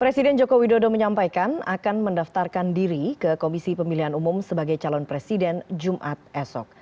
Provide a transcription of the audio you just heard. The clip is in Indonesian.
presiden joko widodo menyampaikan akan mendaftarkan diri ke komisi pemilihan umum sebagai calon presiden jumat esok